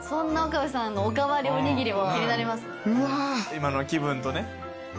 今の気分とね。